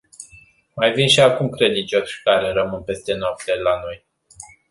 Mai vin și acum credincioși care rămân și peste noapte la noi.